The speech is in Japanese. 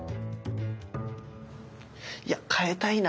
いや変えたいな。